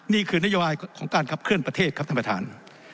นี่คือนโยบายของการขับเคลื่อนประเทศครับท่านประธาน